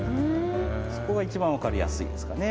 そこが一番分かりやすいですかね。